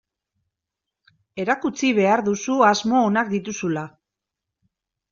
Erakutsi behar duzu asmo onak dituzula.